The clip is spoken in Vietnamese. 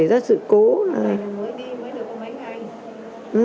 mới đi mới được có mấy ngày